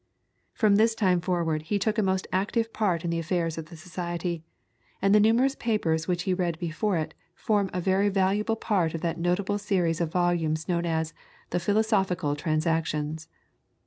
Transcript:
From this time forward he took a most active part in the affairs of the Society, and the numerous papers which he read before it form a very valuable part of that notable series of volumes known as the "Philosophical Transactions."